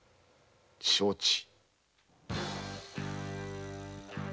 承知。